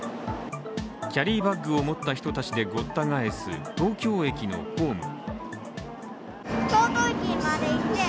キャリーバッグを持った人たちでごった返す東京駅のホーム。